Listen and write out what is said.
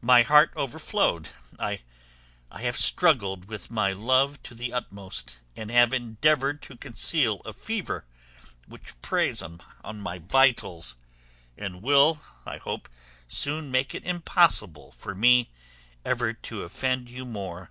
My heart overflowed. I have struggled with my love to the utmost, and have endeavoured to conceal a fever which preys on my vitals, and will, I hope, soon make it impossible for me ever to offend you more."